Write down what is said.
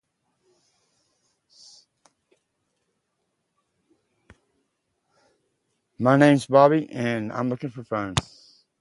Thrasybulus, for unknown reasons, seems to have had very little involvement in this debate.